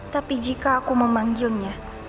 tapi jika aku memanggilnya